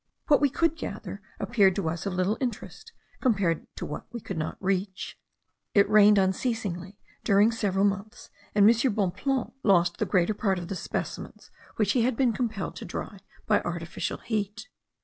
What we could gather appeared to us of little interest, compared to what we could not reach. It rained unceasingly during several months, and M. Bonpland lost the greater part of the specimens which he had been compelled to dry by artificial heat.